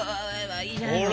ほら。